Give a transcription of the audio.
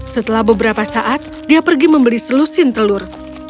setelah beberapa saat dia pergi membeli selusin telur